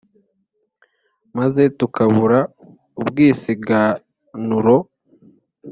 Maze tukabura ubwisiganuro